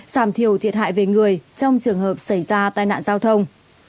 giảm thiểu thiệt hại về người trong trường hợp xảy ra tai nạn giao thông